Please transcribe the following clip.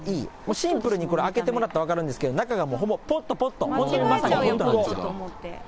シンプルにこれ開けてもらったら分かるんですけど、中がほぼポット、まさにポット。